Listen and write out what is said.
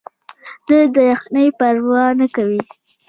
دوی د یخنۍ پروا نه کوي.